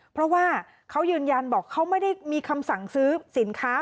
เพราะว่าเขายืนยันบอกเขาไม่ได้มีคำสั่งซื้อสินค้า